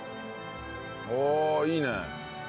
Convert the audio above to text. おおいいね。